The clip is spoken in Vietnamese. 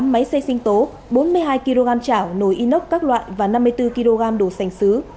một mươi tám máy xây sinh tố bốn mươi hai kg chảo nồi inox các loại và năm mươi bốn kg đồ sành xứ